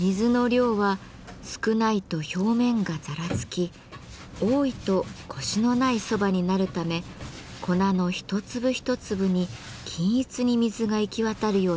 水の量は少ないと表面がざらつき多いとコシのない蕎麦になるため粉の一粒一粒に均一に水が行き渡るように混ぜていきます。